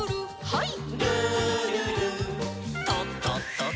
はい。